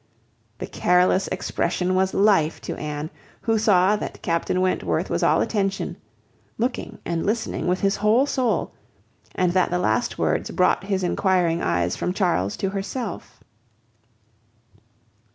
The careless expression was life to Anne, who saw that Captain Wentworth was all attention, looking and listening with his whole soul; and that the last words brought his enquiring eyes from Charles to herself.